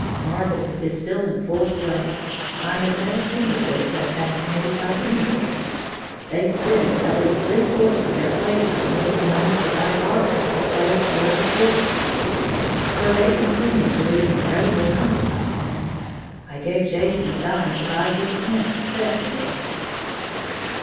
_ Marbles is still in full sway, I have never seen the boys so fascinated by any game, they spend at least three fourths of their playtime making money to buy marbles to play with the other fourth, for they continue to lose incredible numbers of them. I gave Jason a dime to buy his tenth set to day.